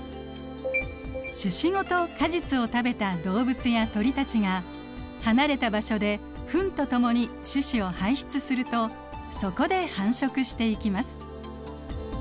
種子ごと果実を食べた動物や鳥たちが離れた場所でフンと共に種子を排出するとそこで繁殖していきます。